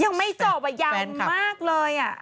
ยังไม่จบอ่ะยาวมากเลย